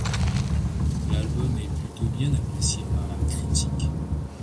L'album est plutôt bien appréciée par la critique.